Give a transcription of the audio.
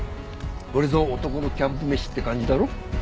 これぞ男のキャンプ飯って感じだろ？